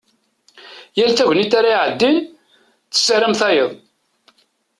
Yal tagnit ara iɛeddin tessaram tayeḍ.